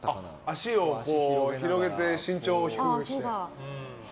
足を広げて身長を低くしてね。